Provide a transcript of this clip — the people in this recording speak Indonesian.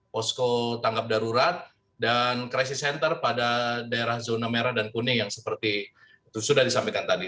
posko tanggap darurat dan crisis center pada daerah zona merah dan kuning yang seperti itu sudah disampaikan tadi